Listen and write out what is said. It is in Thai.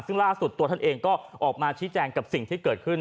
ซึ่งล่าสุดตัวท่านเองก็ออกมาชี้แจงกับสิ่งที่เกิดขึ้น